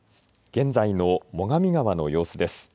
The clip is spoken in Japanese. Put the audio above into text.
現在の最上川の様子です。